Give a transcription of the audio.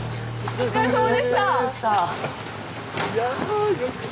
お疲れさまでした。